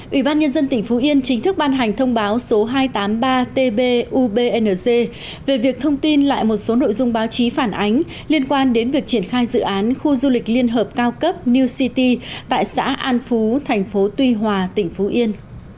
ủy ban nhân dân tỉnh phú yên chính thức ban hành thông báo số hai trăm tám mươi ba tbubngc về việc thông tin lại một số nội dung báo chí phản ánh liên quan đến việc triển khai dự án khu du lịch liên hợp cao cấp new city tại xã an phú thành phố tuy hòa tỉnh phú yên